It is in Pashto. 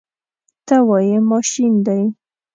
ته وایې ماشین دی.